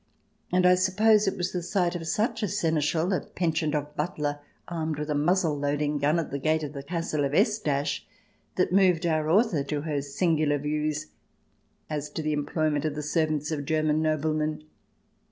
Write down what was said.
And I suppose it was the sight of such a Seneschal (a pensioned off butler armed with a muzzle loading gun at the gate of the castle of S ) that moved our author to her singular views as to the employment of the servants of German noblemen.